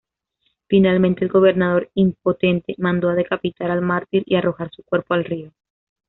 Finalmente el gobernador, impotente, mandó decapitar al mártir y arrojar su cuerpo al río.